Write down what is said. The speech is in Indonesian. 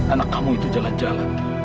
anak kamu itu jalan jalan